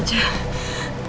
iya pak isi pak